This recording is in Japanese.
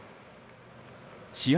試合